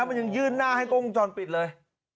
มันยังยื่นหน้าให้กล้องวงจรปิดเลย